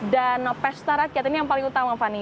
dan pesta rakyat ini yang paling utama fani